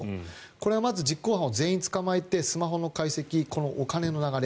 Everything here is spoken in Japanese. これはまず実行犯を全員捕まえてスマホの解析お金の流れ。